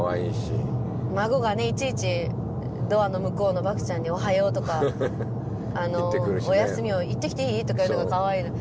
いちいちドアの向こうのバクちゃんに「おはよう」とか「おやすみを言ってきていい？」とか言うのがかわいい。